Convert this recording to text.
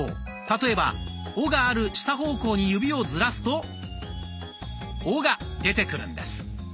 例えば「お」がある下方向に指をずらすと「お」が出てくるんです。